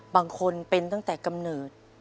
บางคนเป็นตั้งแต่กำเนิด